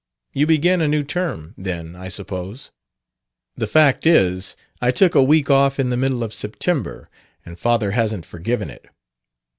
You begin a new term, then, I suppose. The fact is, I took a week off in the middle of September, and father hasn't forgiven it.